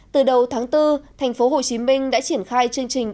từ đầu tháng bốn tp hcm đã triển khai chương trình